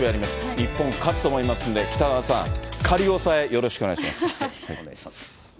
日本勝つと思いますんで、北澤さん、仮押さえ、よろしくお願いします。